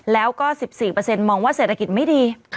แล้วก็๑๔มองว่าเศรษฐกิจไม่ดี